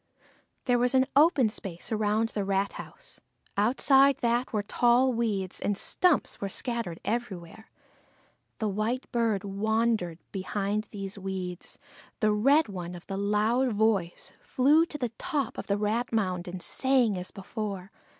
There was an open space around the rat house; outside that were tall weeds, and stumps were scattered everywhere. The white bird wandered behind these weeds, the red one of the loud voice flew to the top of the rat mound and sang as before.